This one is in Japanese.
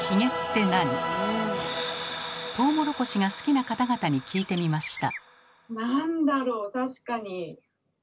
トウモロコシが好きな方々に聞いてみました。